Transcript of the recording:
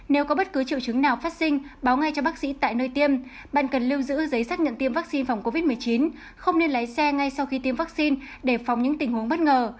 nếu có bất cứ triệu chứng nào phát sinh báo ngay cho bác sĩ tại nơi tiêm bạn cần lưu giữ giấy xác nhận tiêm vaccine phòng covid một mươi chín không nên lấy xe ngay sau khi tiêm vaccine để phòng những tình huống bất ngờ